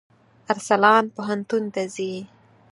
ارسلان پوهنتون ته ځي.